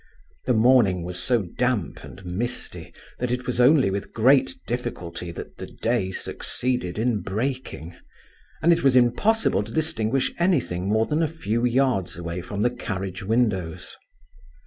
The morning was so damp and misty that it was only with great difficulty that the day succeeded in breaking; and it was impossible to distinguish anything more than a few yards away from the carriage windows.